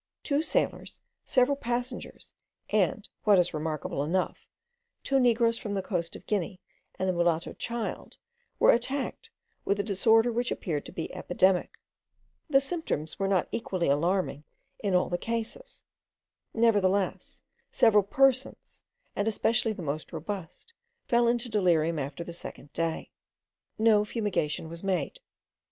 Two sailors, several passengers, and, what is remarkable enough, two negroes from the coast of Guinea, and a mulatto child, were attacked with a disorder which appeared to be epidemic. The symptoms were not equally alarming in all the cases; nevertheless, several persons, and especially the most robust, fell into delirium after the second day. No fumigation was made.